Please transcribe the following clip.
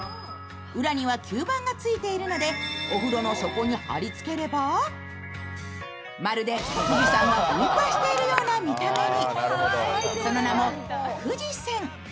裏には吸盤がついているのでお風呂の底に貼り付ければまるで富士山が噴火しているような見た目に。